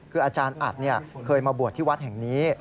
คืออาจารย์อัดเคยมาบวชที่วัดแห่งนี้